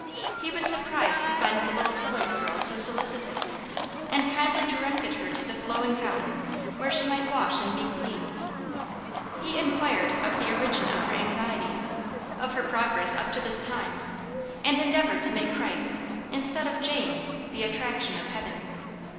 He was surprised to find the little colored girl so solicitous, and kindly directed her to the flowing fountain where she might wash and be clean. He inquired of the origin of her anxiety, of her progress up to this time, and endeavored to make Christ, instead of James, the attraction of Heaven.